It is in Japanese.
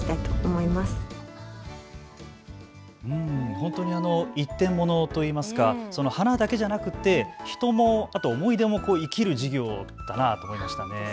本当に一点物といいますか花だけじゃなくて人も思い出も生きる事業だなと思いました。